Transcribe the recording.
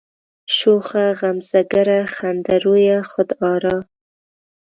شوخه غمزه گره، خنده رویه، خود آرا